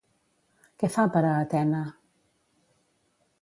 Què fa per a Atena?